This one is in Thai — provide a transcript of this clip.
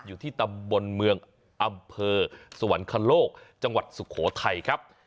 อยู่ที่ตำบลเมืองอำเภอสวรรคโลกจังหวัดสุโขทัยครับ